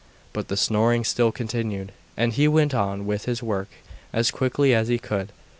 But the snoring still continued, and he went on with his work as quickly as he could.